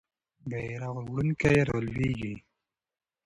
بیرغ وړونکی رالویږي.